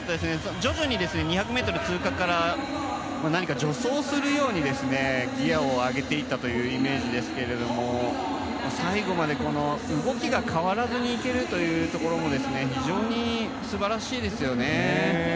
徐々に２００ｍ通過から何か助走するようにギアを上げていったというイメージですが最後まで動きが変わらずにいけるというところも非常に素晴らしいですよね。